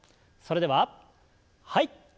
それでははい。